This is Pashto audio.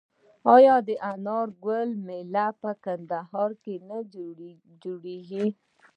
آیا د انار ګل میله په کندهار کې نه جوړیږي؟